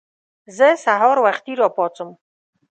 زه سهار وختي راپاڅم.